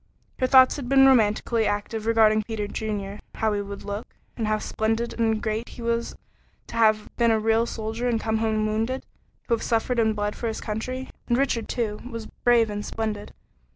Her thoughts had been romantically active regarding Peter Junior, how he would look, and how splendid and great he was to have been a real soldier and come home wounded to have suffered and bled for his country. And Richard, too, was brave and splendid.